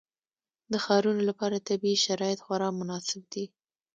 د ښارونو لپاره طبیعي شرایط خورا مناسب دي.